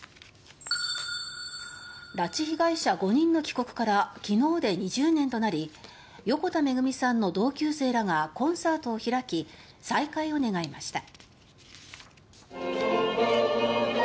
拉致被害者５人の帰国から昨日で２０年となり横田めぐみさんの同級生らがコンサートを開き再会を願いました。